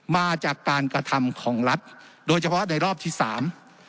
มาจากการกระทำของรัฐโดยเฉพาะในรอบที่สาม